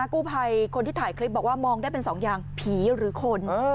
กู้ภัยคนที่ถ่ายคลิปบอกว่ามองได้เป็นสองอย่างผีหรือคน